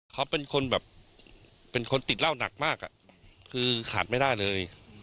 เขาเป็นคนแบบเป็นคนติดเหล้าหนักมากคือขาดไม่ได้เลย